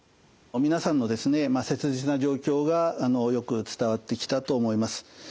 皆さんの切実な状況がよく伝わってきたと思います。